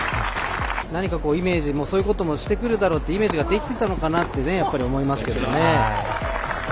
何か、そういうこともしてくるだろうというイメージができてたのかなとやっぱり思いますけどね。